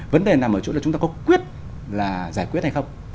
vấn đề nằm ở chỗ là chúng ta có quyết là giải quyết hay không